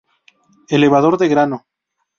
Elevador de grano.